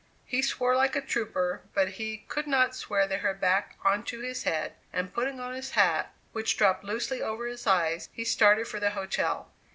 He swore like a trooper, but he could not swear the hair back on to his head, and putting on his hat, which dropped loosely over his eyes, he started for the hotel.